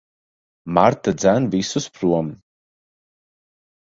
Marta dzen visus prom.